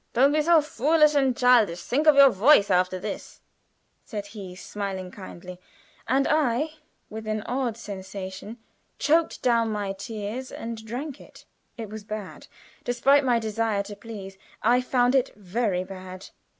"Don't be so foolish and childish. Think of your voice after this," said he, smiling kindly; and I, with an odd sensation, choked down my tears and drank it. It was bad despite my desire to please, I found it very bad.